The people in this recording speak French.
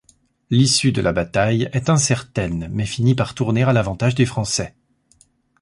L'issue de la bataille est incertaine, mais finit par tourner à l'avantage des Français.